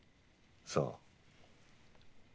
そう。